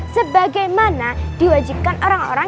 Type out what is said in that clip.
sebagaimana diwajibkan orang orang